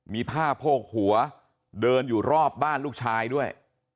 มีผ้าโพกหัวเดินอยู่รอบบ้านลูกชายด้วย